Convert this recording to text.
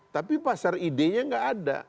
tapi pasar idenya gak ada